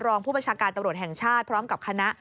รองผู้บัญชาการตำรวจแห่งชาติพร้อมกับคณะ